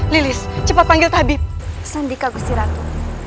lilis cepat panggil tabib sandika gusti ratu